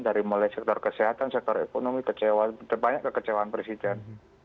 dari mulai sektor kesehatan sektor ekonomi kecewa banyak kekecewaan presiden